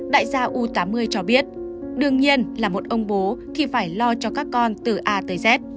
đại gia u tám mươi cho biết đương nhiên là một ông bố thì phải lo cho các con từ a tới z